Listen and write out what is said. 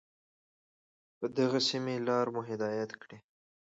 په دغي سمي لار مو هدايت كړې